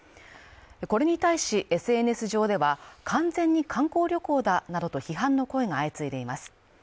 これに対しＳＮＳ上では完全に観光旅行だなどと批判の声が相次いでいます